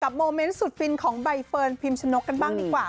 โมเมนต์สุดฟินของใบเฟิร์นพิมชนกกันบ้างดีกว่า